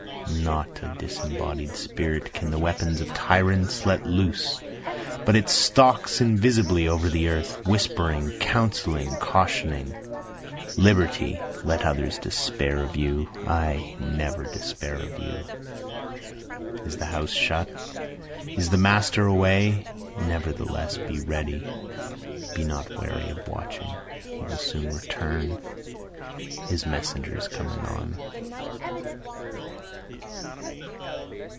Not a disembodied spirit can the weapons of tyrants let loose, But it stalks invisibly over the earth, whispering, counseling, cautioning. Liberty, let others despair of you I never despair of you. Is the house shut? is the master away? Nevertheless, be ready, be not weary of watching, He will soon return, his messengers come anon.